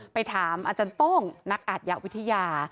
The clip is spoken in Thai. ไปถามอาจารย์โต้งนักอาทยาวิทยา